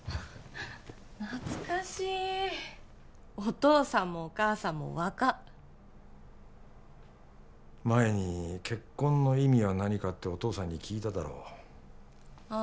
懐かしいお父さんもお母さんも若っ前に結婚の意味は何かってお父さんに聞いただろあ